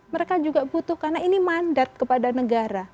mereka juga butuh karena ini mandat kepada negara